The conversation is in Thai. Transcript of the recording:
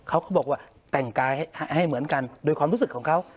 เขาก็บอกว่าแต่งกายให้เหมือนกันโดยความรู้สึกของเขา